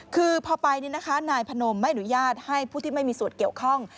คือพอไปนายพนมไม่อนุญาตให้ผู้ที่ไม่มีส่วนเกี่ยวข้อง